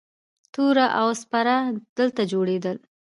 توره او سپر دلته جوړیدل